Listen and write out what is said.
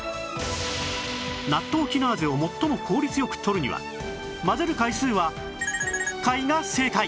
ナットウキナーゼを最も効率よくとるには混ぜる回数は回が正解